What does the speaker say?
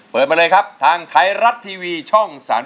มาเลยครับทางไทยรัฐทีวีช่อง๓๒